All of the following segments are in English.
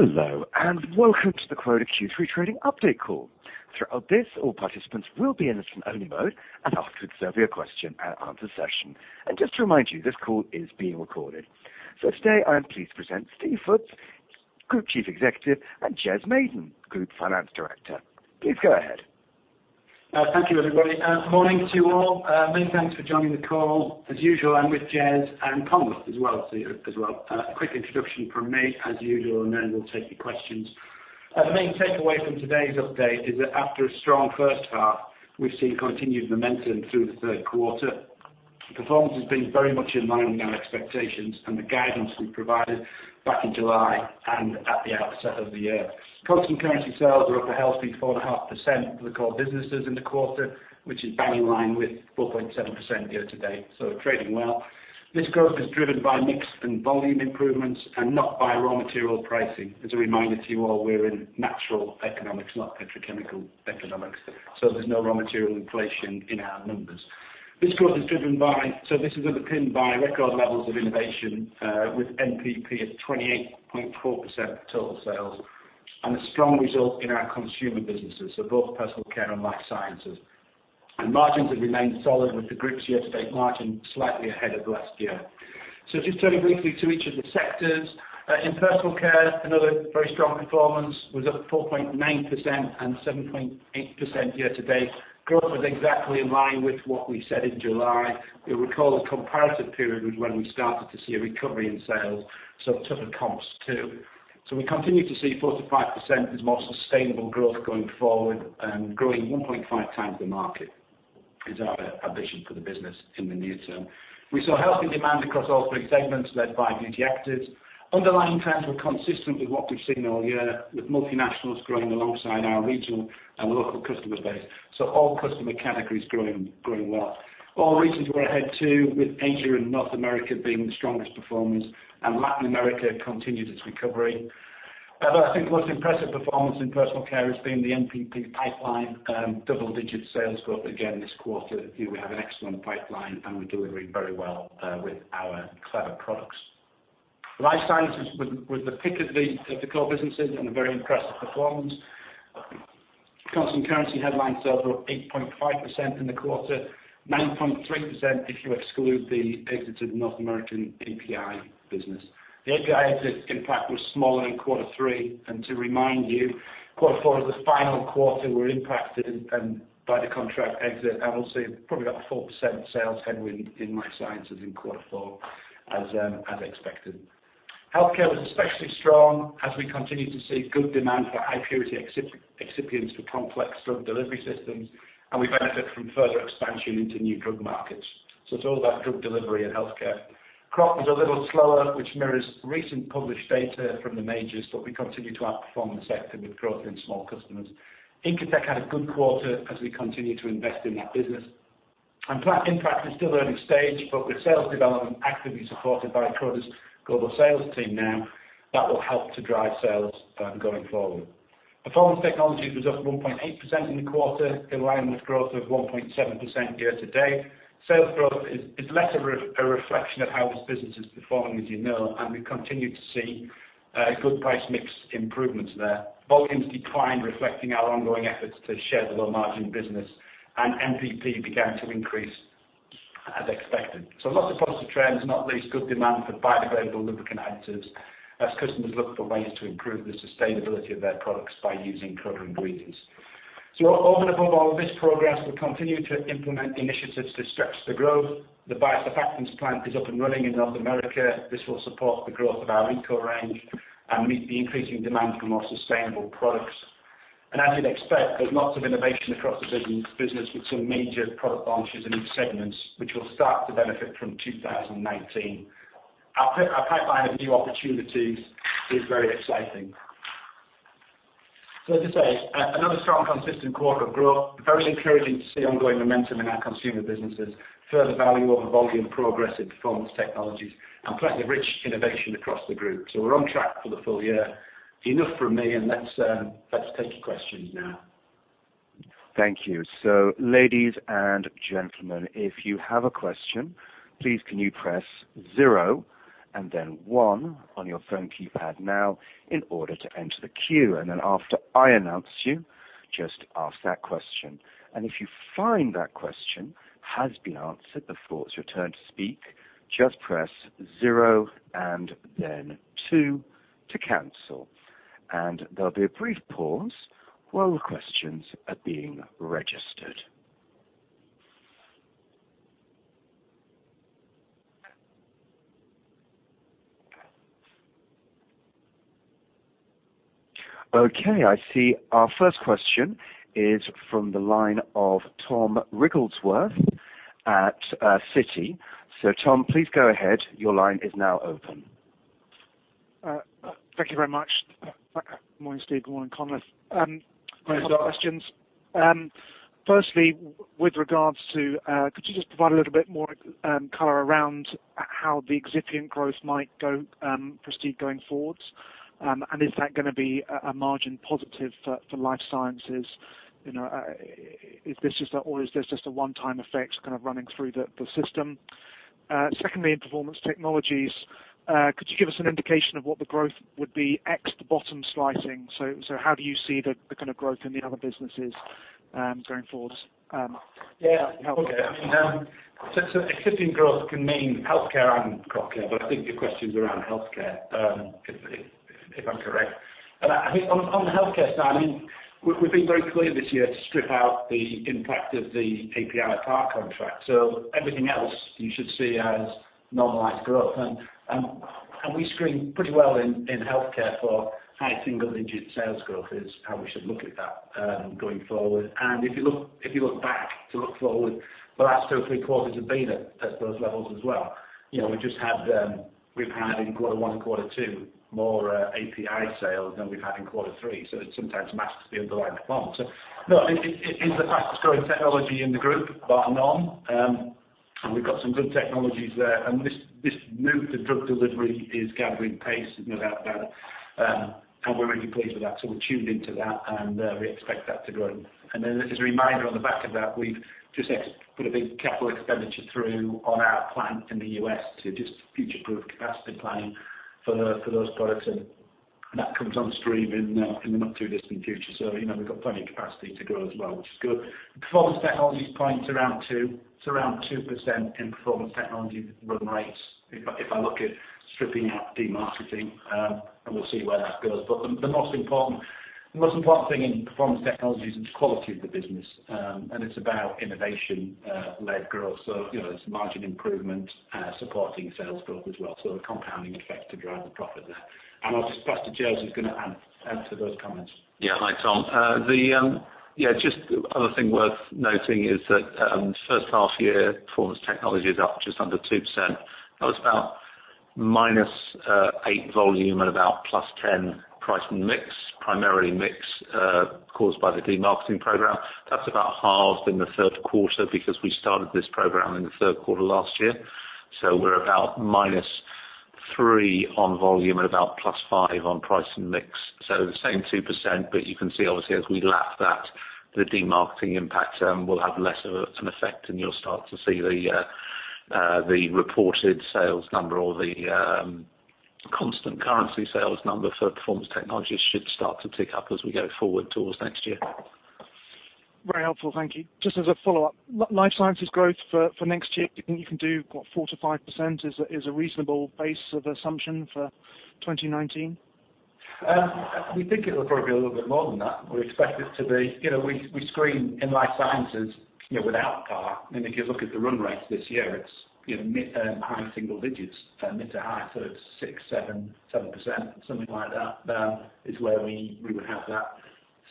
Hello, welcome to the Croda Q3 trading update call. Throughout this, all participants will be in listen-only mode. After, there will be a question and answer session. Just to remind you, this call is being recorded. Today, I am pleased to present Steve Foots, Group Chief Executive, and Jez Maiden, Group Finance Director. Please go ahead. Thank you, everybody. Morning to you all. Many thanks for joining the call. As usual, I'm with Jez and Conor as well. A quick introduction from me as usual. Then we'll take the questions. The main takeaway from today's update is that after a strong first half, we've seen continued momentum through the third quarter. Performance has been very much in line with our expectations and the guidance we provided back in July and at the outset of the year. Constant currency sales are up a healthy 4.5% for the core businesses in the quarter, which is bang in line with 4.7% year-to-date. Trading well. This growth is driven by mix and volume improvements and not by raw material pricing. As a reminder to you all, we're in natural economics, not petrochemical economics. There's no raw material inflation in our numbers. This is underpinned by record levels of innovation, with NPP at 28.4% of total sales and a strong result in our consumer businesses, both Personal Care and Life Sciences. Margins have remained solid with the group's year-to-date margin slightly ahead of last year. Just turning briefly to each of the sectors. In Personal Care, another very strong performance was up 4.9% and 7.8% year-to-date. Growth was exactly in line with what we said in July. You'll recall the comparative period was when we started to see a recovery in sales. Tougher comps too. We continue to see 4%-5% as more sustainable growth going forward. Growing 1.5 times the market is our ambition for the business in the near term. We saw healthy demand across all three segments, led by Beauty Actives. Underlying trends were consistent with what we've seen all year, with multinationals growing alongside our regional and local customer base. All customer categories growing well. All regions were ahead too, with Asia and North America being the strongest performers. Latin America continued its recovery. I think the most impressive performance in Personal Care has been the NPP pipeline, double-digit sales growth again this quarter. We have an excellent pipeline. We're delivering very well with our clever products. Life Sciences was the pick of the core businesses and a very impressive performance. Constant currency headline sales were up 8.5% in the quarter, 9.3% if you exclude the exit of the North American API business. The API exit impact was smaller in quarter three. To remind you, quarter four is the final quarter we're impacted by the contract exit and we'll see probably about 4% sales headwind in Life Sciences in quarter four as expected. Healthcare was especially strong as we continue to see good demand for high-purity excipients for complex drug delivery systems, and we benefit from further expansion into new drug markets. It's all about drug delivery and healthcare. Crop was a little slower, which mirrors recent published data from the majors, but we continue to outperform the sector with growth in small customers. Incotec had a good quarter as we continue to invest in that business. Plant Impact is still early stage, but with sales development actively supported by Croda's global sales team now, that will help to drive sales going forward. Performance Technologies was up 1.8% in the quarter, in line with growth of 1.7% year-to-date. Sales growth is less of a reflection of how this business is performing, as you know, and we continue to see good price mix improvements there. Volumes declined, reflecting our ongoing efforts to shed the low margin business, and NPP began to increase as expected. Lots of positive trends, not least good demand for biodegradable lubricant additives as customers look for ways to improve the sustainability of their products by using Croda ingredients. Over and above all of this progress, we continue to implement initiatives to stretch the growth. The biosurfactants plant is up and running in North America. This will support the growth of our ECO range and meet the increasing demand for more sustainable products. As you'd expect, there's lots of innovation across the business with some major product launches in each segment, which will start to benefit from 2019. Our pipeline of new opportunities is very exciting. As I say, another strong, consistent quarter of growth. Very encouraging to see ongoing momentum in our consumer businesses. Further value over volume progress in Performance Technologies and plenty of rich innovation across the group. We're on track for the full year. Enough from me, and let's take your questions now. Thank you. Ladies and gentlemen, if you have a question, please can you press zero and then one on your phone keypad now in order to enter the queue. Then after I announce you, just ask that question. If you find that question has been answered before it's your turn to speak, just press zero and then two to cancel. There'll be a brief pause while the questions are being registered. Okay, I see our first question is from the line of Tom Wrigglesworth at Citi. Tom, please go ahead. Your line is now open. Thank you very much. Morning, Steve. Morning, Conor. Good morning. I have a couple of questions. Firstly, could you just provide a little bit more color around how the excipient growth might proceed going forwards? Is that going to be a margin positive for Life Sciences? Or is this just a one-time effect kind of running through the system? Secondly, in Performance Technologies, could you give us an indication of what the growth would be X the bottom slicing? How do you see the kind of growth in the other businesses going forward? Excipient growth can mean healthcare and Crop Care, but I think your question is around healthcare, if I'm correct. I think on the healthcare side, we've been very clear this year to strip out the impact of the API contract. Everything else you should see as normalized growth. We screen pretty well in healthcare for high single-digit sales growth is how we should look at that going forward. If you look back to look forward, the last two or three quarters have been at those levels as well. We've had in quarter one and quarter two more API sales than we've had in quarter three. It sometimes matches the underlying demand. No, it is the fastest growing technology in the group, bar none. We've got some good technologies there. This move to drug delivery is gathering pace, no doubt about it. We're really pleased with that. We're tuned into that, and we expect that to grow. As a reminder on the back of that, we've just put a big capital expenditure through on our plant in the U.S. to just future-proof capacity planning for those products, and that comes on stream in the not-too-distant future. We've got plenty of capacity to grow as well, which is good. Performance Technologies points around 2%. In Performance Technologies run rates, if I look at stripping out demarketing, and we'll see where that goes. The most important thing in Performance Technologies is the quality of the business. It's about innovation-led growth. It's margin improvement, supporting sales growth as well. A compounding effect to drive the profit there. I'll just pass to Jez who's going to add to those comments. Yeah. Hi, Tom. Just other thing worth noting is that first half-year Performance Technologies is up just under 2%. That was about -8 volume and about +10 price mix, primarily mix, caused by the demarketing program. That's about halved in the third quarter because we started this program in the third quarter last year. We're about -3 on volume and about +5 on price and mix. The same 2%, but you can see obviously as we lap that, the demarketing impact will have less of an effect and you'll start to see the reported sales number or the constant currency sales number for Performance Technologies should start to tick up as we go forward towards next year. Very helpful. Thank you. Just as a follow-up, Life Sciences growth for next year, do you think you can do what, 4%-5% is a reasonable base of assumption for 2019? We think it'll probably be a little bit more than that. We expect it to be. We screen in Life Sciences, without Crop, and if you look at the run rate this year, it's mid to high single digits. Mid to high thirds, 6%, 7%, something like that, is where we would have that.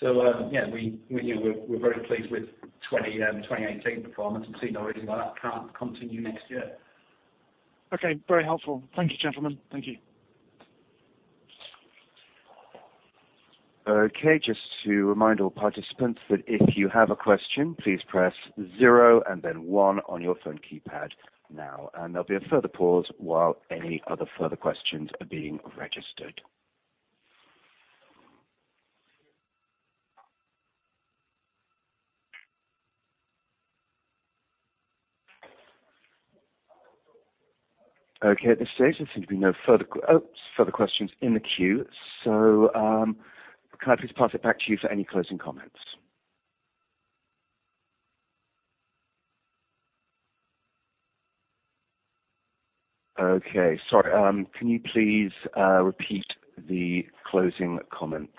Yeah, we're very pleased with 2018 performance and see no reason why that can't continue next year. Okay. Very helpful. Thank you, gentlemen. Thank you. Okay, just to remind all participants that if you have a question, please press zero and then one on your phone keypad now. There'll be a further pause while any other further questions are being registered. Okay, at this stage, there seem to be no further questions in the queue. Can I please pass it back to you for any closing comments? Okay. Sorry. Can you please repeat the closing comments?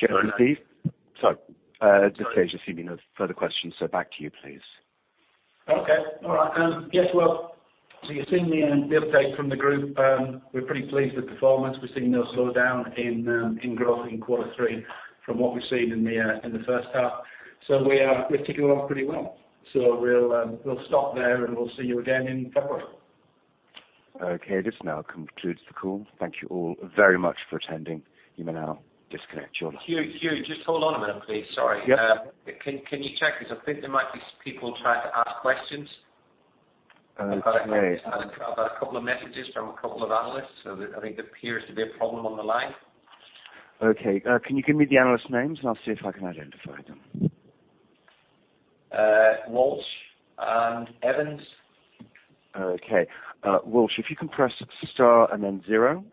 Sorry. At this stage there seem to be no further questions. Back to you, please. Okay. All right. Yes, well, you've seen the update from the group. We're pretty pleased with performance. We're seeing no slowdown in growth in quarter three from what we've seen in the first half. We're ticking along pretty well. We'll stop there, and we'll see you again in February. Okay, this now concludes the call. Thank you all very much for attending. You may now disconnect your line. Hugh, just hold on a minute, please. Sorry. Yeah. Can you check this? I think there might be people trying to ask questions. Okay. I've had a couple of messages from a couple of analysts. I think there appears to be a problem on the line. Okay. Can you give me the analysts' names, and I'll see if I can identify them? Walsh and Evans. Okay. Walsh, if you can press star and then zero,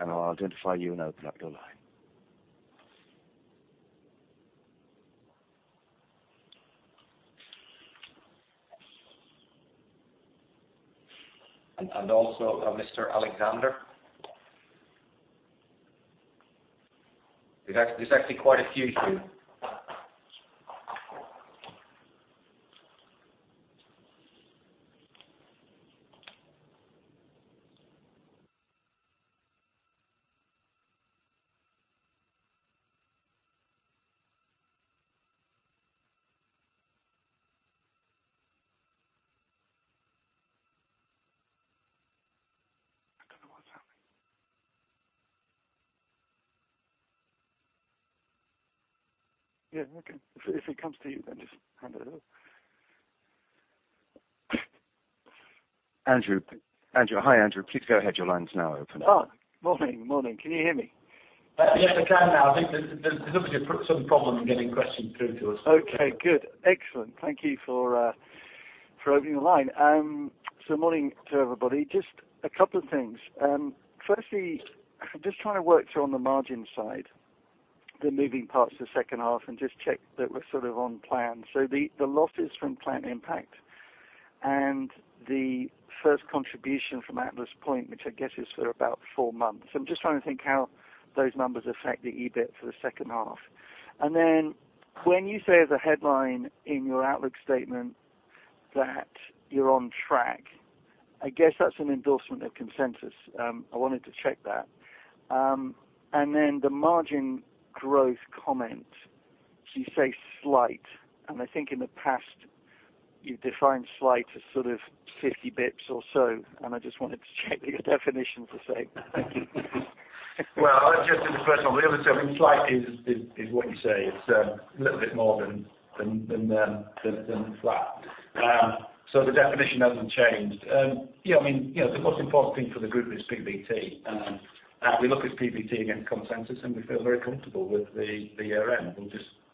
and I'll identify you and open up your line. Also Mr. Alexander. There's actually quite a few, Hugh. I don't know what's happening. Yeah, okay. If it comes to you, just hand it over. Andrew. Hi, Andrew. Please go ahead. Your line is now open. Morning. Can you hear me? Yes, we can now. I think there's obviously some problem getting questions through to us. Morning to everybody. Just a couple of things. Firstly, just trying to work through on the margin side, the moving parts the second half, and just check that we're sort of on plan. The losses from Plant Impact and the first contribution from Atlas Point, which I guess is for about four months. I'm just trying to think how those numbers affect the EBIT for the second half. When you say the headline in your outlook statement that you're on track, I guess that's an endorsement of consensus. I wanted to check that. The margin growth comment, you say slight, and I think in the past, you've defined slight as sort of 50 basis points or so, and I just wanted to check your definition for saying that. Well, I'll just do the first one. The other two, I mean, slight is what you say. It's a little bit more than flat. The definition hasn't changed. The most important thing for the group is PBT. We look at PBT against consensus, and we feel very comfortable with the year-end.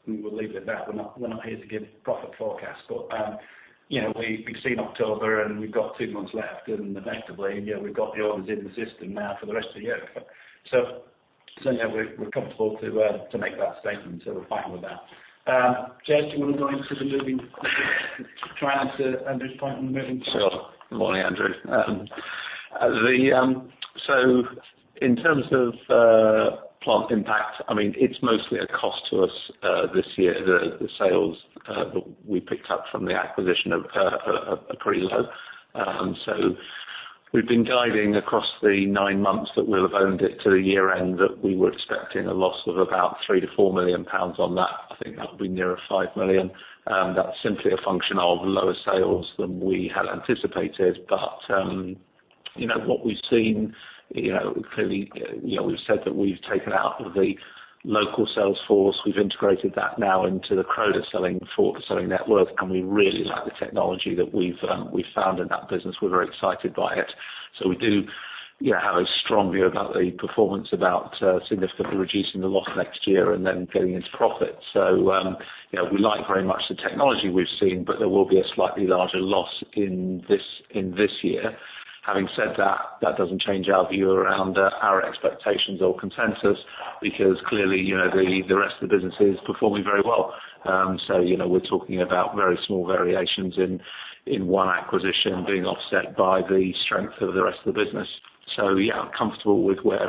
We will leave it at that. We're not here to give profit forecasts. We've seen October, and we've got two months left, and effectively, we've got the orders in the system now for the rest of the year. We're comfortable to make that statement, so we're fine with that. Jez, do you want to go into the moving parts? Try and answer Andrew's point on the moving parts. Sure. Morning, Andrew. In terms of Plant Impact, it's mostly a cost to us this year. The sales we picked up from the acquisition are pretty low. We've been guiding across the nine months that we'll have owned it to the year-end, that we were expecting a loss of about 3 million-4 million pounds on that. I think that'll be nearer 5 million. That's simply a function of lower sales than we had anticipated. What we've seen, clearly, we've said that we've taken out the local sales force. We've integrated that now into the Croda selling network, and we really like the technology that we've found in that business. We're very excited by it. We do have a strong view about the performance, about significantly reducing the loss next year and then getting into profit. We like very much the technology we've seen, but there will be a slightly larger loss in this year. Having said that doesn't change our view around our expectations or consensus, because clearly, the rest of the business is performing very well. We're talking about very small variations in one acquisition being offset by the strength of the rest of the business. Yeah, I'm comfortable with where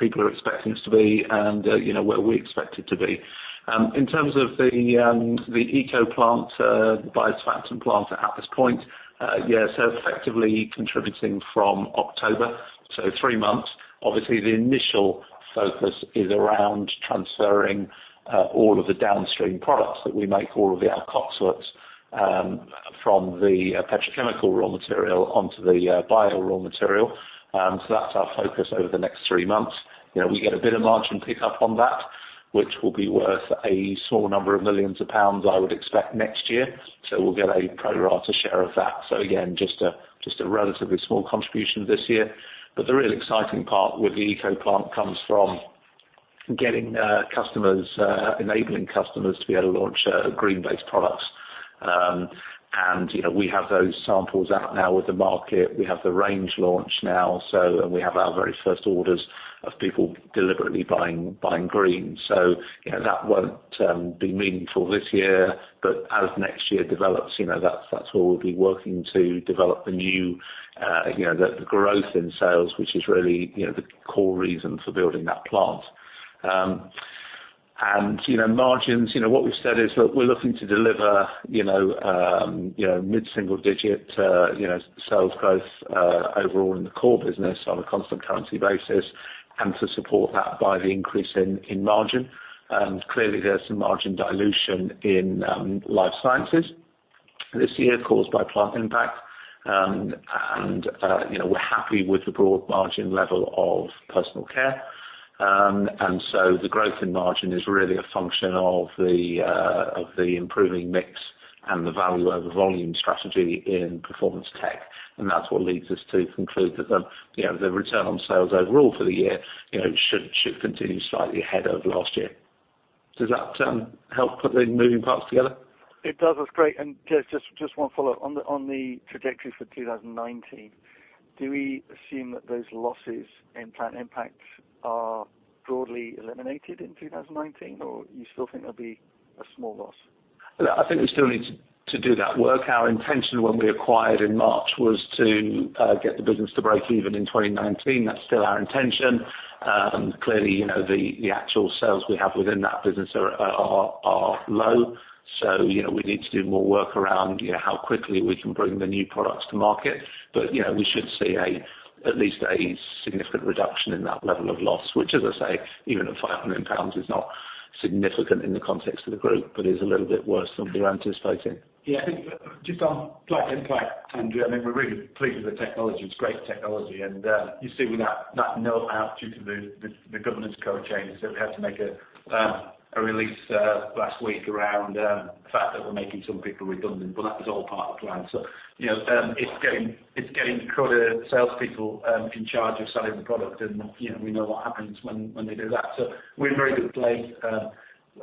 people are expecting us to be and where we expect it to be. In terms of the ECO plant, the biosurfactant plant at Atlas Point, yeah, effectively contributing from October, three months. Obviously, the initial focus is around transferring all of the downstream products that we make, all of our [inaudible] from the petrochemical raw material onto the bio raw material. That's our focus over the next three months. We get a bit of margin pick-up on that, which will be worth a small number of millions of pounds, I would expect next year. We'll get a pro rata share of that. Again, just a relatively small contribution this year. The real exciting part with the ECO plant comes from getting customers, enabling customers to be able to launch green-based products. We have those samples out now with the market. We have the range launch now. We have our very first orders of people deliberately buying green. That won't be meaningful this year, but as next year develops, that's where we'll be working to develop the new growth in sales, which is really the core reason for building that plant. Margins, what we've said is, look, we're looking to deliver mid-single digit sales growth overall in the core business on a constant currency basis and to support that by the increase in margin. Clearly, there's some margin dilution in Life Sciences this year caused by Plant Impact. We're happy with the broad margin level of Personal Care. The growth in margin is really a function of the improving mix and the value over volume strategy in Performance Tech, and that's what leads us to conclude that the return on sales overall for the year should continue slightly ahead of last year. Does that help put the moving parts together? It does. That's great. Just one follow-up. On the trajectory for 2019, do we assume that those losses in Plant Impact are broadly eliminated in 2019, or you still think there'll be a small loss? I think we still need to do that work. Our intention when we acquired in March was to get the business to break even in 2019. That is still our intention. Clearly, the actual sales we have within that business are low, so we need to do more work around how quickly we can bring the new products to market. We should see at least a significant reduction in that level of loss, which, as I say, even at 5 million pounds is not significant in the context of the group, but is a little bit worse than we were anticipating. Yeah. I think just on Plant Impact, Andrew, we are really pleased with the technology. It is great technology. You see we have that note out due to the governance code change that we had to make a release last week around the fact that we are making some people redundant. That was all part of the plan. It is getting Croda salespeople in charge of selling the product. We know what happens when they do that. We are in a very good place.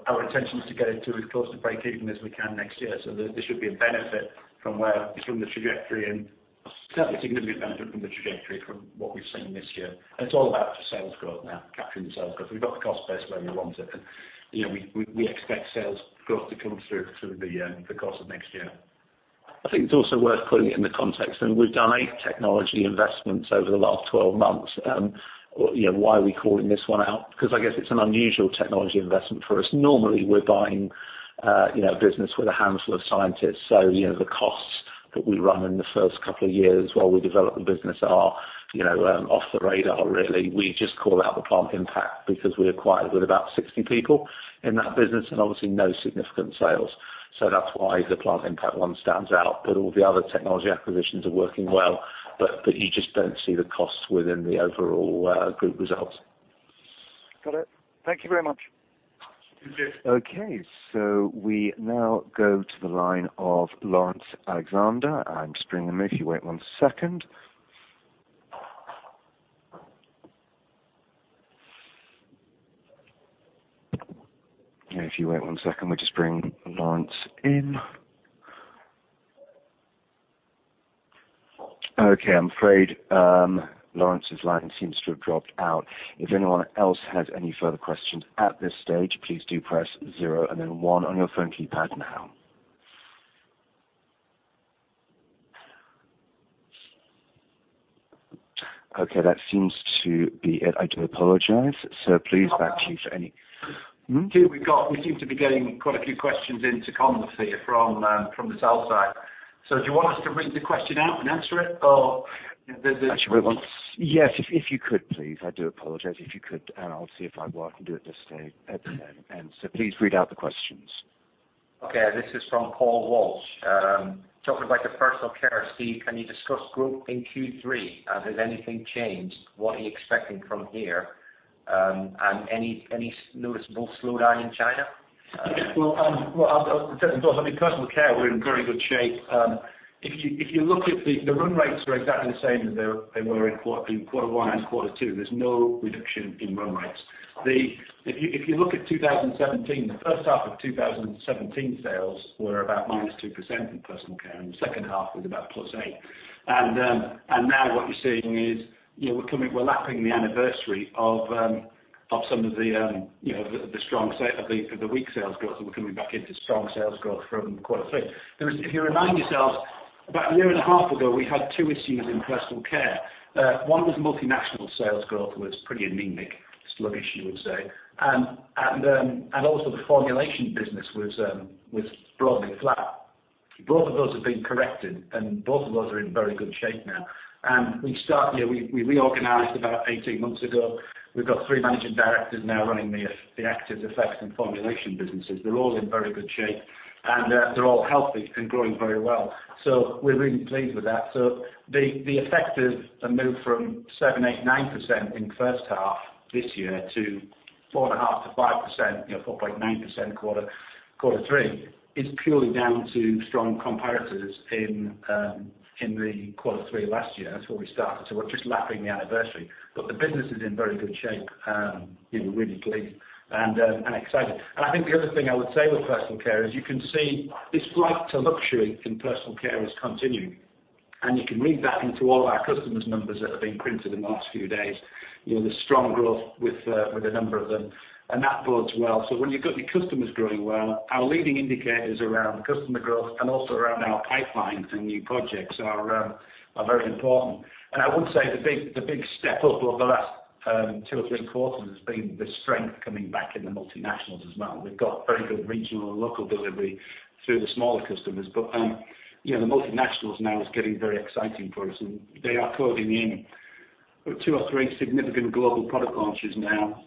Our intention is to get it to as close to breakeven as we can next year. This should be a benefit from the trajectory and certainly a significant benefit from the trajectory from what we have seen this year. It is all about sales growth now, capturing the sales growth. We have got the cost base where we want it. We expect sales growth to come through the course of next year. I think it is also worth putting it in the context. We have done eight technology investments over the last 12 months. Why are we calling this one out? I guess it is an unusual technology investment for us. Normally, we are buying a business with a handful of scientists. The costs that we run in the first couple of years while we develop the business are off the radar, really. We just call out the Plant Impact because we acquired with about 60 people in that business and obviously no significant sales. That is why the Plant Impact one stands out. All the other technology acquisitions are working well. You just do not see the costs within the overall group results. Got it. Thank you very much. Thank you. Okay, we now go to the line of Laurence Alexander. I'm just bringing him in. If you wait one second. If you wait one second, we'll just bring Laurence in. Okay, I'm afraid Laurence's line seems to have dropped out. If anyone else has any further questions at this stage, please do press zero and then one on your phone keypad now. Okay, that seems to be it. I do apologize. Please back to you for any- We seem to be getting quite a few questions into conference here from the sell side. Do you want us to read the question out and answer it? Or there's- Actually, yes, if you could, please. I do apologize. If you could, I'll see if I can do it at this stage at the end. Please read out the questions. Okay. This is from Paul Walsh, talking about the Personal Care, Steve, can you discuss group in Q3? Has anything changed? What are you expecting from here? Any noticeable slowdown in China? Well, in Personal Care, we're in very good shape. If you look at the run rates are exactly the same as they were in quarter one and quarter two. There's no reduction in run rates. If you look at 2017, the first half of 2017 sales were about minus 2% in Personal Care, the second half was about plus 8%. Now what you're seeing is, we're lapping the anniversary of some of the weak sales growth, we're coming back into strong sales growth from quarter three. If you remind yourselves, about a year and a half ago, we had two issues in Personal Care. One was multinational sales growth was pretty anemic. Sluggish, you would say. Also, the formulation business was broadly flat. Both of those have been corrected, both of those are in very good shape now. We reorganized about 18 months ago. We've got three managing directors now running the Actives, Effects, and formulation businesses. They're all in very good shape, and they're all healthy and growing very well. We're really pleased with that. The effect of the move from 7%, 8%, 9% in the first half this year to 4.5%-5%, 4.9% quarter three, is purely down to strong comparators in the quarter three of last year. That's where we started. We're just lapping the anniversary. The business is in very good shape. We're really pleased and excited. I think the other thing I would say with Personal Care is you can see this flight to luxury in Personal Care is continuing. You can read that into all our customers' numbers that have been printed in the last few days. There's strong growth with a number of them, and that bodes well. When you've got your customers growing well, our leading indicators around customer growth and also around our pipeline to new projects are very important. I would say the big step up over the last 2 or 3 quarters has been the strength coming back in the multinationals as well. We've got very good regional and local delivery through the smaller customers. The multinationals now is getting very exciting for us, and they are calling in 2 or 3 significant global product launches now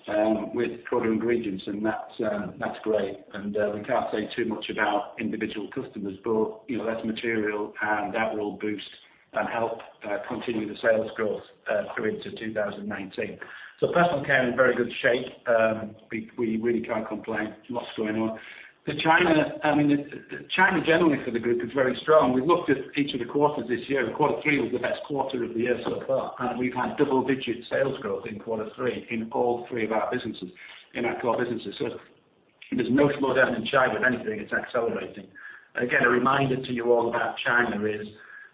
with Croda ingredients, and that's great. We can't say too much about individual customers, but that's material and that will boost and help continue the sales growth through into 2019. Personal Care in very good shape. We really can't complain. Lots going on. China generally for the group is very strong. We've looked at each of the quarters this year, Quarter 3 was the best quarter of the year so far. We've had double-digit sales growth in Quarter 3 in all 3 of our businesses, in our core businesses. There's no slowdown in China. If anything, it's accelerating. Again, a reminder to you all about China is,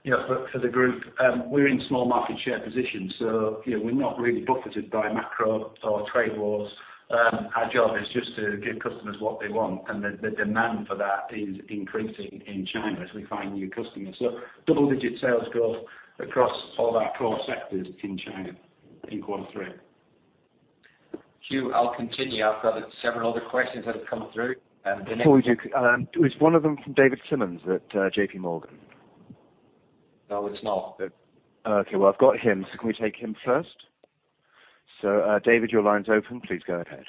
for the group, we're in small market share positions, so we're not really buffeted by macro or trade wars. Our job is just to give customers what they want, and the demand for that is increasing in China as we find new customers. Double-digit sales growth across all our core sectors in China in Quarter 3. Hugh, I'll continue. I've got several other questions that have come through. Before we do, is one of them from David Simmons at JPMorgan? No, it's not. Okay, well, I've got him. Can we take him first? David, your line's open. Please go ahead.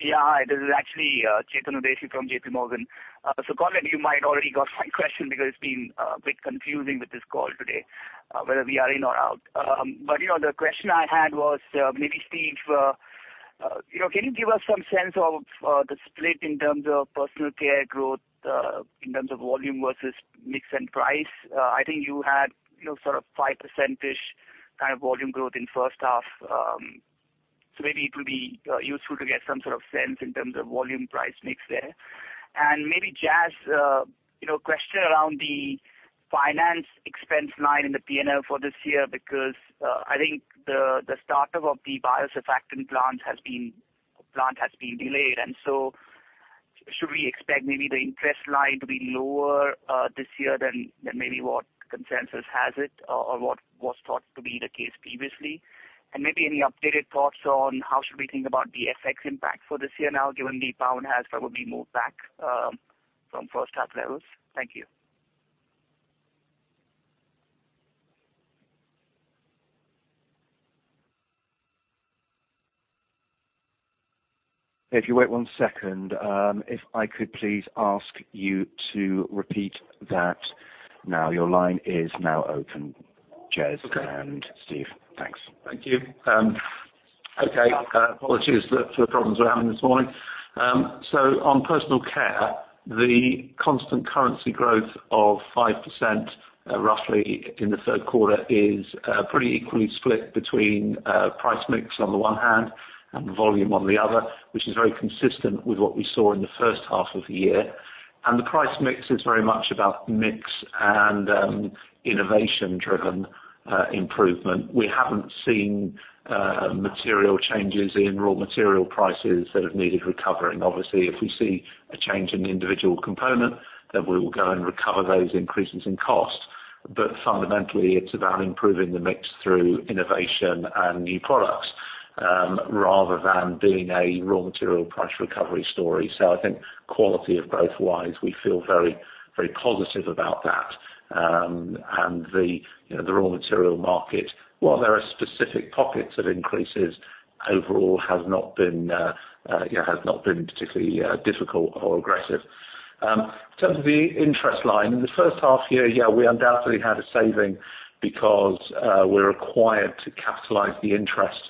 Yeah. Hi, this is actually Chetan Udeshi from JPMorgan. [Conor], you might already got my question because it's been a bit confusing with this call today, whether we are in or out. The question I had was, maybe Steve, can you give us some sense of the split in terms of Personal Care growth, in terms of volume versus mix and price? I think you had 5%-ish kind of volume growth in the first half. Maybe it will be useful to get some sort of sense in terms of volume price mix there. Maybe Jez, a question around the finance expense line in the P&L for this year, because, I think the startup of the biosurfactant plant has been delayed, should we expect maybe the interest line to be lower this year than maybe what consensus has it, or what was thought to be the case previously? Maybe any updated thoughts on how should we think about the FX impact for this year now, given the pound has probably moved back from first half levels? Thank you. If you wait one second, if I could please ask you to repeat that now. Your line is now open, Jez and Steve. Thanks. Thank you. Okay. Apologies for the problems we're having this morning. On Personal Care, the constant currency growth of 5%, roughly in the third quarter is pretty equally split between price mix on the one hand and volume on the other, which is very consistent with what we saw in the first half of the year. The price mix is very much about mix and innovation-driven improvement. We haven't seen material changes in raw material prices that have needed recovering. Obviously, if we see a change in the individual component, then we will go and recover those increases in cost. Fundamentally, it's about improving the mix through innovation and new products, rather than being a raw material price recovery story. I think quality of growth-wise, we feel very positive about that. The raw material market, while there are specific pockets of increases, overall has not been particularly difficult or aggressive. In terms of the interest line, in the first half year, we undoubtedly had a saving because we were required to capitalize the interest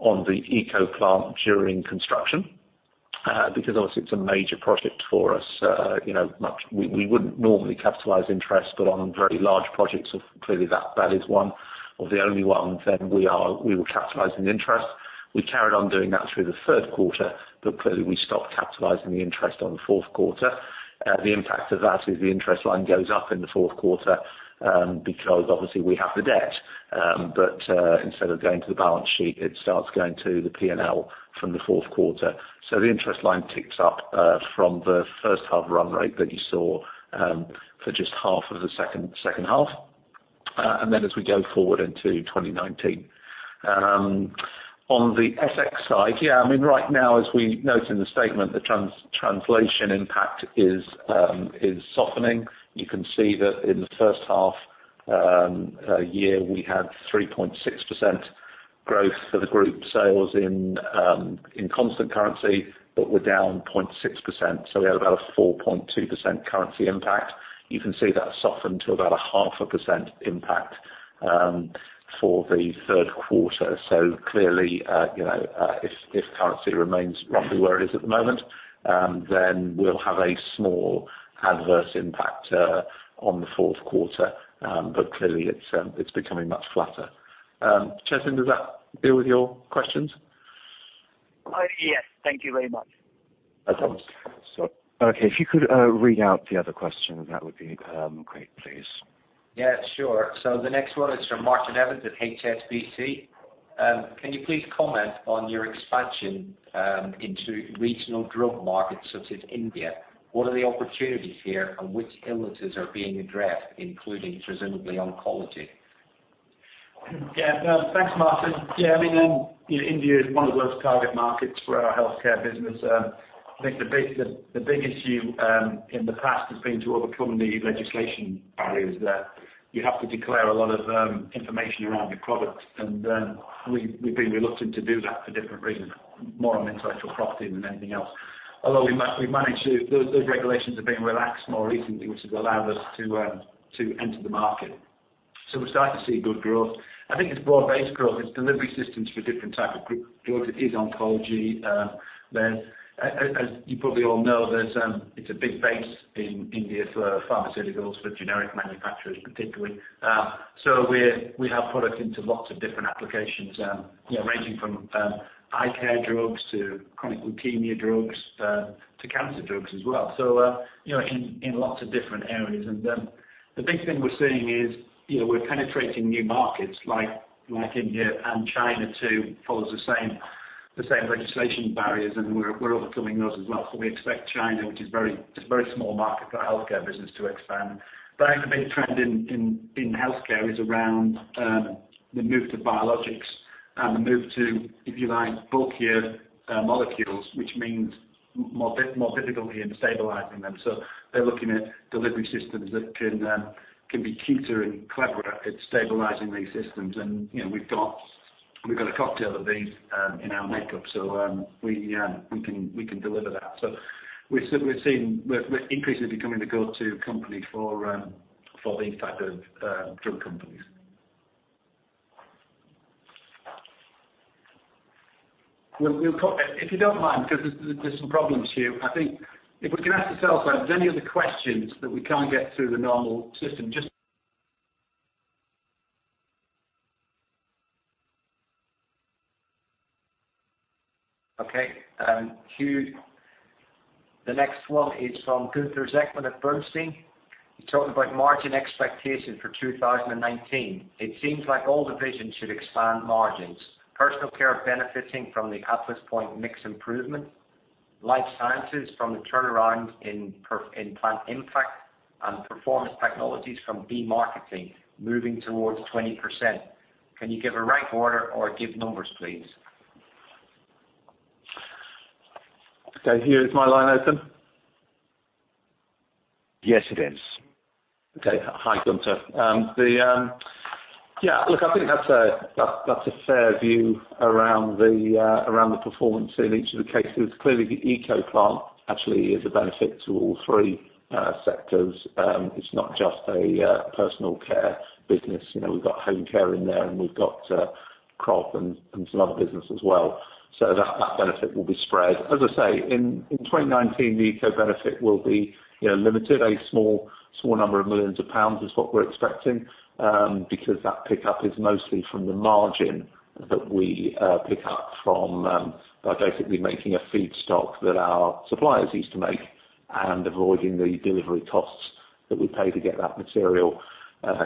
on the ECO plant during construction. Obviously it's a major project for us. We wouldn't normally capitalize interest, but on very large projects, clearly that is one or the only one, then we will capitalize an interest. We carried on doing that through the third quarter, but clearly we stopped capitalizing the interest on the fourth quarter. The impact of that is the interest line goes up in the fourth quarter, because obviously we have the debt. Instead of going to the balance sheet, it starts going to the P&L from the fourth quarter. The interest line ticks up from the first half run rate that you saw for just half of the second half and then as we go forward into 2019. On the FX side, right now as we note in the statement, the translation impact is softening. You can see that in the first half year, we had 3.6% growth for the group sales in constant currency, but we're down 0.6%. We had about a 4.2% currency impact. You can see that softened to about a half a percent impact for the third quarter. Clearly, if currency remains roughly where it is at the moment, then we'll have a small adverse impact on the fourth quarter. Clearly it's becoming much flatter. Chetan, does that deal with your questions? Yes. Thank you very much. No problems. Okay, if you could read out the other question, that would be great, please. Yeah, sure. The next one is from Martin Evans at HSBC. Can you please comment on your expansion into regional drug markets such as India? What are the opportunities here, and which illnesses are being addressed, including presumably oncology? Yeah. Thanks, Martin. Yeah, India is one of the worst target markets for our healthcare business. I think the big issue in the past has been to overcome the legislation barriers there. You have to declare a lot of information around your product, and we've been reluctant to do that for different reasons, more on intellectual property than anything else. Although those regulations have been relaxed more recently, which has allowed us to enter the market. We're starting to see good growth. I think it's broad-based growth. It's delivery systems for different type of drugs. It is oncology. As you probably all know, it's a big base in India for pharmaceuticals, for generic manufacturers particularly. We have products into lots of different applications, ranging from eye care drugs to chronic leukemia drugs, to cancer drugs as well. In lots of different areas. The big thing we're seeing is we're penetrating new markets like India and China, too, follows the same legislation barriers, and we're overcoming those as well. We expect China, which is a very small market for the healthcare business, to expand. I think the big trend in healthcare is around the move to biologics and the move to, if you like, bulkier molecules, which means more difficulty in stabilizing them. They're looking at delivery systems that can be cuter and clever at stabilizing these systems. We've got a cocktail of these in our makeup, so we can deliver that. We're increasingly becoming the go-to company for these types of drug companies. If you don't mind, because there's some problems, Hugh. I think if we can ask ourselves if there are any other questions that we can't get through the normal system. Okay. Hugh, the next one is from Gunther Zechmann at Bernstein. He's talking about margin expectations for 2019. It seems like all divisions should expand margins, Personal Care benefiting from the Atlas Point mix improvement, Life Sciences from the turnaround in Plant Impact, and Performance Technologies from demarketing moving towards 20%. Can you give a rank order or give numbers, please? Okay. Hugh, is my line open? Yes, it is. Okay. Hi, Gunther. Look, I think that's a fair view around the performance in each of the cases. Clearly, the ECO plant actually is a benefit to all three sectors. It's not just a Personal Care business. We've got home care in there, and we've got Crop and some other business as well. That benefit will be spread. As I say, in 2019, the ECO benefit will be limited. A small number of millions pounds is what we're expecting, because that pickup is mostly from the margin that we pick up from basically making a feedstock that our suppliers used to make and avoiding the delivery costs that we pay to get that material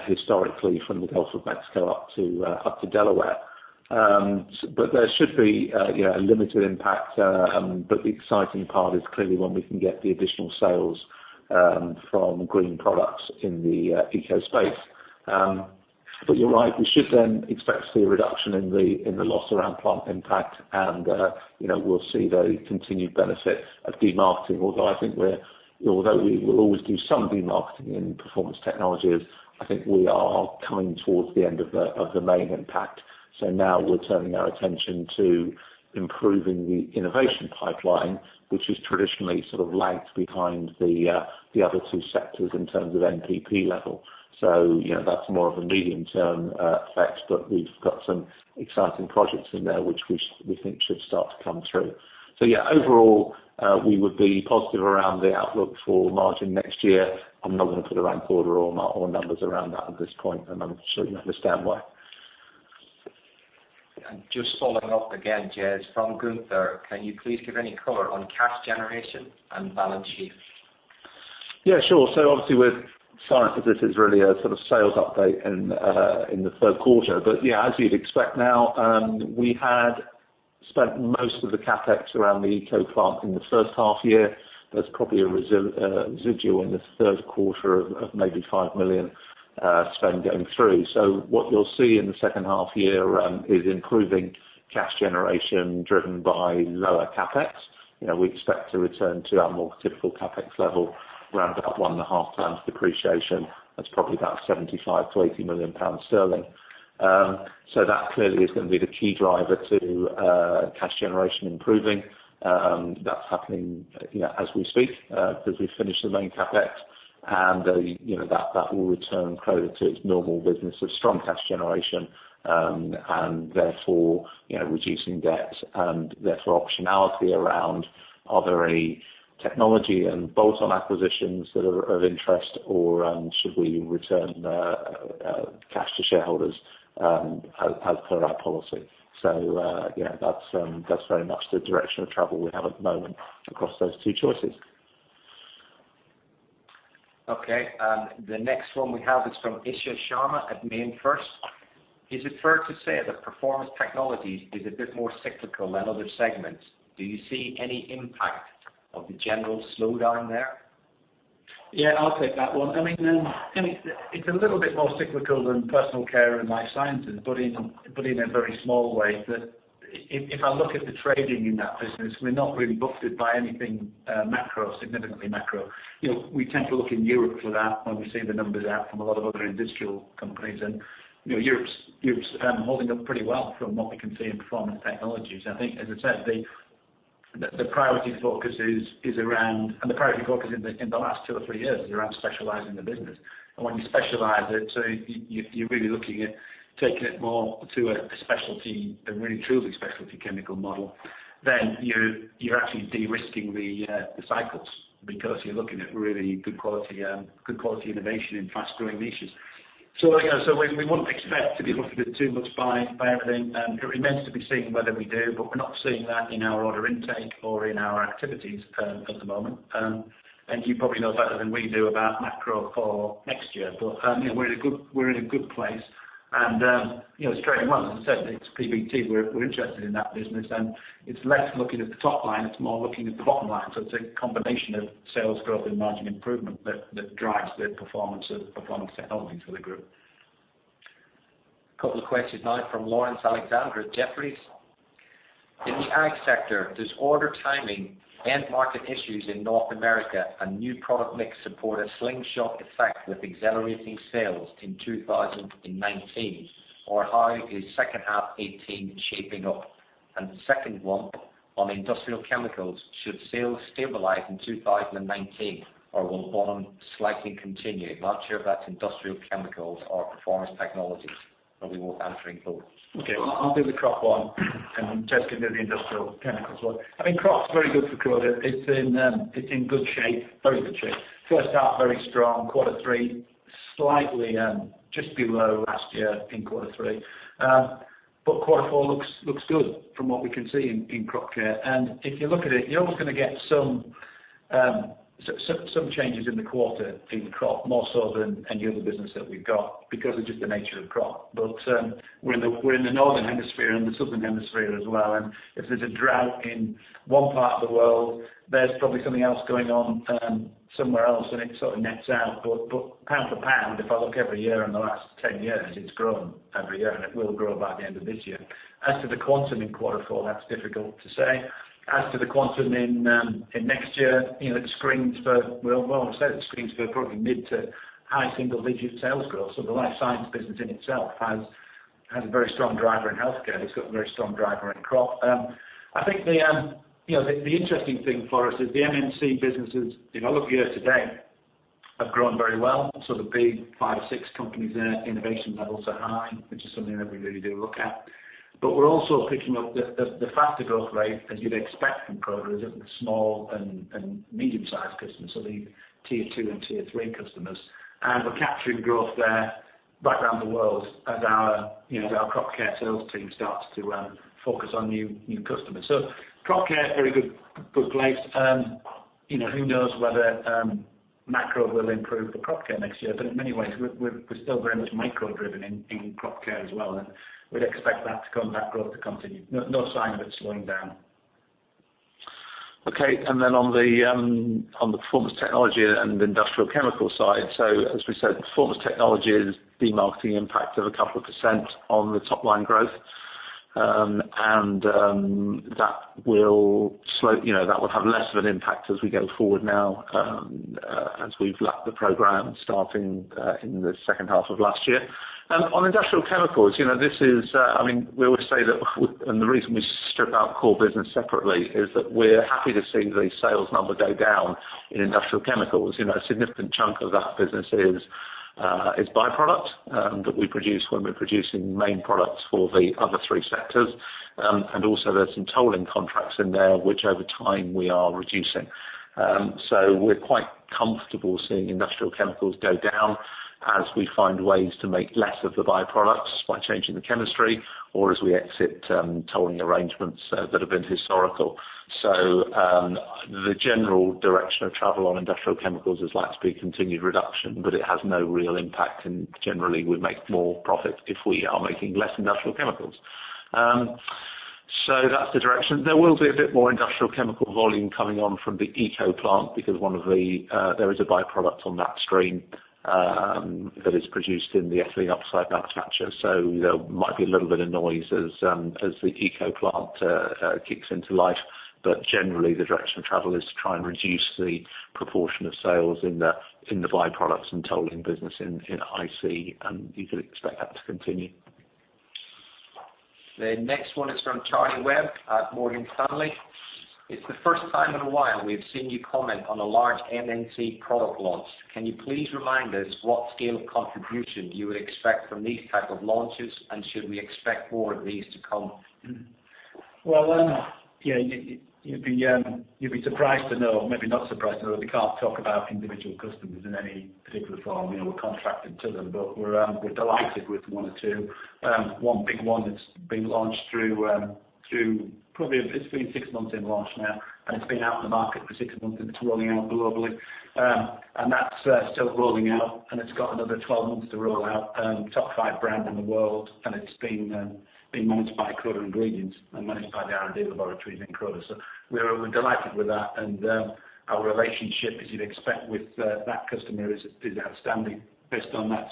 historically from the Gulf of Mexico up to Delaware. There should be a limited impact. The exciting part is clearly when we can get the additional sales from green products in the ECO space. You're right. We should then expect to see a reduction in the loss around Plant Impact, and we'll see the continued benefit of demarketing. We will always do some demarketing in Performance Technologies, I think we are coming towards the end of the main impact. Now we're turning our attention to improving the innovation pipeline, which is traditionally sort of lagged behind the other two sectors in terms of NPP level. That's more of a medium-term effect, but we've got some exciting projects in there which we think should start to come through. Yeah, overall, we would be positive around the outlook for margin next year. I'm not going to put a rank order or numbers around that at this point, I'm sure you understand why. Just following up again, Jez, from Gunther. Can you please give any color on cash generation and balance sheet? Yeah, sure. Obviously with science, this is really a sort of sales update in the third quarter. Yeah, as you'd expect now, we had spent most of the CapEx around the ECO plant in the first half year. There's probably a residual in the third quarter of maybe 5 million spend going through. What you'll see in the second half year is improving cash generation driven by lower CapEx. We expect to return to our more typical CapEx level, round about 1.5 times depreciation. That's probably about 75 million-80 million pounds. That clearly is going to be the key driver to cash generation improving. That's happening as we speak, because we've finished the main CapEx. That will return Croda to its normal business of strong cash generation, therefore reducing debt, therefore optionality around are there any technology and bolt-on acquisitions that are of interest, or should we return cash to shareholders as per our policy? Yeah, that's very much the direction of travel we have at the moment across those two choices. Okay. The next one we have is from Isha Sharma at MainFirst. Is it fair to say that Performance Technologies is a bit more cyclical than other segments? Do you see any impact of the general slowdown there? Yeah, I'll take that one. It's a little bit more cyclical than Personal Care and Life Sciences, but in a very small way that if I look at the trading in that business, we're not really buffeted by anything macro, significantly macro. We tend to look in Europe for that when we see the numbers out from a lot of other industrial companies. Europe's holding up pretty well from what we can see in Performance Technologies. I think, as I said, the priority focus is around. The priority focus in the last two or three years is around specializing the business. When you specialize it, you're really looking at taking it more to a specialty and really truly specialty chemical model, then you're actually de-risking the cycles because you're looking at really good quality innovation in fast-growing niches. We wouldn't expect to be buffeted too much by everything. It remains to be seen whether we do, we're not seeing that in our order intake or in our activities at the moment. You probably know better than we do about macro for next year. We're in a good place, trading well. As I said, it's PBT. We're interested in that business, it's less looking at the top line, it's more looking at the bottom line. It's a combination of sales growth and margin improvement that drives the performance of Performance Technologies for the group. A couple of questions now from Laurence Alexander at Jefferies. In the ag sector, does order timing, end market issues in North America, and new product mix support a slingshot effect with accelerating sales in 2019? Or how is second half 2018 shaping up? The second one on Industrial Chemicals, should sales stabilize in 2019, or will bottom slightly continue? I'm not sure if that's Industrial Chemicals or Performance Technologies, but we want answers for both. Okay. I'll do the Crop one, and Jez can do the Industrial Chemicals one. I mean, Crop's very good for Croda. It's in good shape, very good shape. First half, very strong. Quarter three, slightly just below last year in quarter three. Quarter four looks good from what we can see in Crop Care. If you look at it, you're always going to get some changes in the quarter in Crop, more so than any other business that we've got because of just the nature of Crop. We're in the northern hemisphere and the southern hemisphere as well, and if there's a drought in one part of the world, there's probably something else going on somewhere else and it sort of nets out. Pound for pound, if I look every year in the last 10 years, it's grown every year and it will grow by the end of this year. As to the quantum in quarter four, that's difficult to say. As to the quantum in next year, the screens for, well, I won't say the screens for probably mid to high single digit sales growth. The Life Sciences business in itself has a very strong driver in healthcare, and it's got a very strong driver in Crop. I think the interesting thing for us is the MNC businesses, if I look year to date, have grown very well. The big five, six companies there, innovation levels are high, which is something that we really do look at. We're also picking up the faster growth rate, as you'd expect from Croda, is of the small and medium-sized customers. The tier 2 and tier 3 customers. We're capturing growth there right around the world as our Crop Care sales team starts to focus on new customers. Crop Care, very good place. Who knows whether macro will improve for Crop Care next year. In many ways, we're still very much micro driven in Crop Care as well, and we'd expect that growth to continue. No sign of it slowing down. Okay, on the Performance Technologies and Industrial Chemicals side. As we said, Performance Technologies is demarketing impact of a couple of % on the top line growth. That will have less of an impact as we go forward now, as we've lapped the program starting in the second half of last year. On Industrial Chemicals, we always say that the reason we strip out core business separately is that we're happy to see the sales number go down in Industrial Chemicals. A significant chunk of that business is by-product that we produce when we're producing main products for the other three sectors. Also there's some tolling contracts in there, which over time we are reducing. So we're quite comfortable seeing industrial chemicals go down as we find ways to make less of the by-products by changing the chemistry or as we exit tolling arrangements that have been historical. So, the general direction of travel on industrial chemicals is likely to be continued reduction, but it has no real impact and generally we make more profit if we are making less industrial chemicals. So that's the direction. There will be a bit more industrial chemical volume coming on from the eco plant because there is a by-product on that stream that is produced in the ethylene oxide manufacture. So there might be a little bit of noise as the eco plant kicks into life, but generally the direction of travel is to try and reduce the proportion of sales in the by-products and tolling business in IC, and you could expect that to continue. The next one is from Charlie Webb at Morgan Stanley. It's the first time in a while we've seen you comment on a large MNC product launch. Can you please remind us what scale of contribution you would expect from these type of launches, and should we expect more of these to come? You'd be surprised to know, maybe not surprised to know, we can't talk about individual customers in any particular form. We're contracted to them. We're delighted with one or two. One big one that's been launched through, it's been six months in launch now, and it's been out in the market for six months, and it's rolling out globally. That's still rolling out, and it's got another 12 months to roll out. Top five brand in the world, and it's being managed by Croda Ingredients and managed by the R&D laboratories in Croda. We're delighted with that, and our relationship, as you'd expect with that customer is outstanding based on that.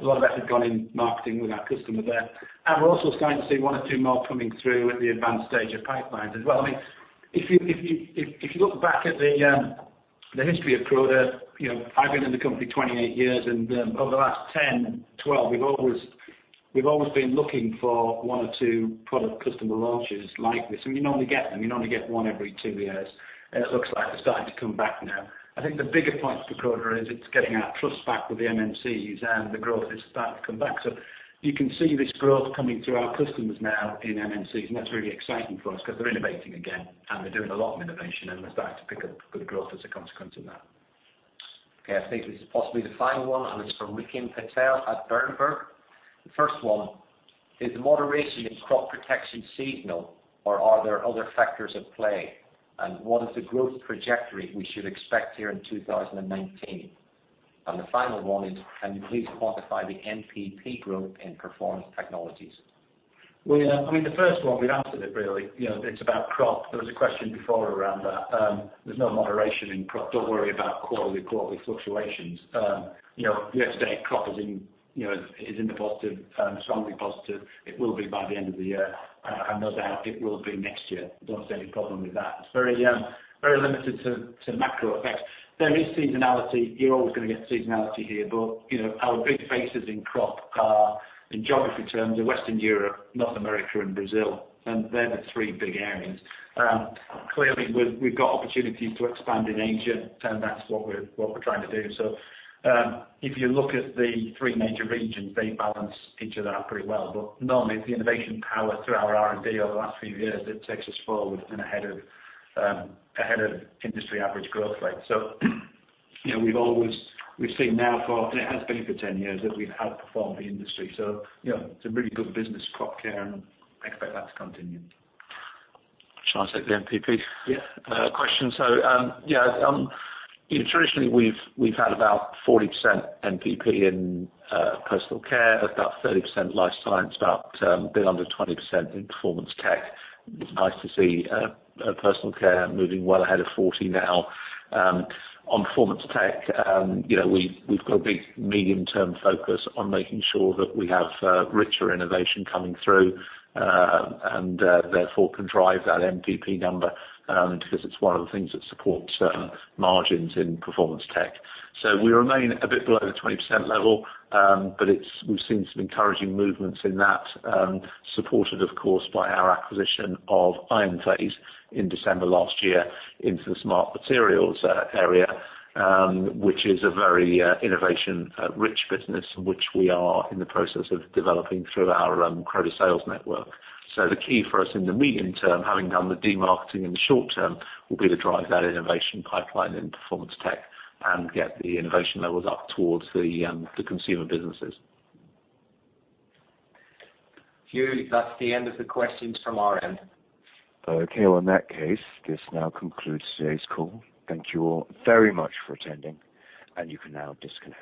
A lot of effort gone in marketing with our customer there. We're also starting to see one or two more coming through at the advanced stage of pipelines as well. If you look back at the history of Croda, I've been in the company 28 years, over the last 10, 12, we've always been looking for one or two product customer launches like this, and you normally get them. You normally get one every two years. It looks like they're starting to come back now. I think the bigger point for Croda is it's getting our trust back with the MNCs and the growth is starting to come back. You can see this growth coming through our customers now in MNCs, and that's really exciting for us because they're innovating again, and they're doing a lot of innovation, and we're starting to pick up good growth as a consequence of that. Okay. I think this is possibly the final one, and it's from Rikin Patel at Berenberg. The first one, is the moderation in crop protection seasonal or are there other factors at play? What is the growth trajectory we should expect here in 2019? The final one is, can you please quantify the NPP growth in Performance Technologies? The first one, we've answered it really. It's about Crop. There was a question before around that. There's no moderation in Crop. Don't worry about quarterly fluctuations. Year-to-date Crop is in the positive, strongly positive. It will be by the end of the year, and no doubt it will be next year. I don't see any problem with that. It's very limited to macro effects. There is seasonality. You're always going to get seasonality here. Our big bases in Crop are, in geography terms, are Western Europe, North America and Brazil. They're the three big areas. Clearly, we've got opportunities to expand in Asia, and that's what we're trying to do. If you look at the three major regions, they balance each other out pretty well. Normally it's the innovation power through our R&D over the last few years that takes us forward and ahead of industry average growth rate. We've seen now for, and it has been for 10 years, that we've outperformed the industry. It's a really good business, Crop Care, and I expect that to continue. Shall I take the NPP? Yeah Question? Traditionally, we've had about 40% NPP in Personal Care, about 30% Life Sciences, about a bit under 20% in Performance Technologies. It's nice to see Personal Care moving well ahead of 40 now. On Performance Technologies, we've got a big medium term focus on making sure that we have richer innovation coming through, and therefore can drive that NPP number, because it's one of the things that supports margins in Performance Technologies. We remain a bit below the 20% level. We've seen some encouraging movements in that, supported of course, by our acquisition of IonPhasE in December last year into the smart materials area, which is a very innovation-rich business, which we are in the process of developing through our Croda sales network. The key for us in the medium term, having done the demarketing in the short term, will be to drive that innovation pipeline in Performance Technologies and get the innovation levels up towards the consumer businesses. Hugh, that's the end of the questions from our end. Okay. Well, in that case, this now concludes today's call. Thank you all very much for attending, and you can now disconnect.